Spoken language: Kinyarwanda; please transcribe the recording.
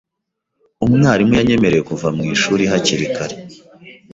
Umwarimu yanyemereye kuva mu ishuri hakiri kare .